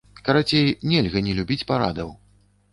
Карацей, нельга не любіць парадаў.